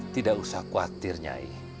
tidak usah khawatir nyai